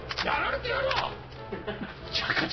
やられてやらあ！